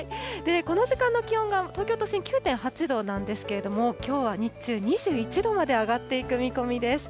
この時間の気温が東京都心、９．８度なんですけれども、きょうは日中、２１度まで上がっていく見込みです。